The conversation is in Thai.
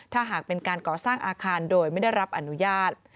ถ้าหากเป็นการก่อสร้างอาคารโดยไม่ได้รับอนุญาต